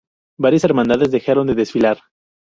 Varias hermandades dejaron de desfilar.